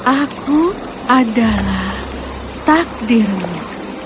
aku adalah takdirmu